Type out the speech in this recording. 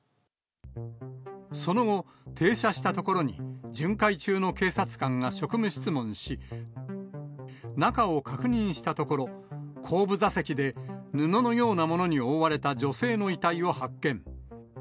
その後、停車したところに、巡回中の警察官が職務質問し、中を確認したところ、後部座席で布のようなものに覆われた女性の遺体を発見。